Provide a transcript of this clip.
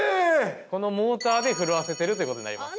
このモーターで震わせてるということになります。